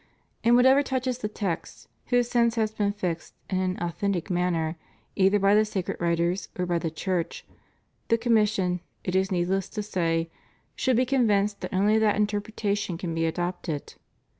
In whatever touches the texts whose sense has been fixed in an au thentic manner, either by the sacred writers or by the Church, the commission, it is needless to say, should be convinced that only that interpretation can be adopted.